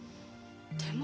でも。